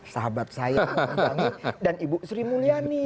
sahabat saya mbak ndangy dan ibu sri mulyani